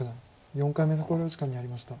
４回目の考慮時間に入りました。